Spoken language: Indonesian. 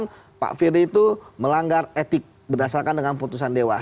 kemudian pak firly itu melanggar etik berdasarkan dengan putusan dewan